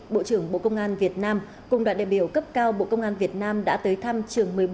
bộ trưởng bộ công an việt nam cùng đoàn đại biểu cấp cao bộ công an việt nam đã tới thăm trường một mươi bốn